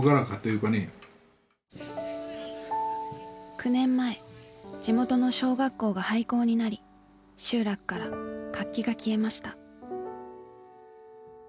９年前地元の小学校が廃校になり集落から活気が消えました。